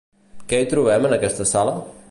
Què hi trobem en aquesta sala?